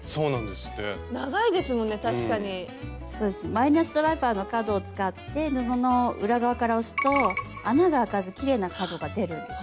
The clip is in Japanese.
マイナスドライバーの角を使って布の裏側から押すと穴が開かずきれいな角が出るんです。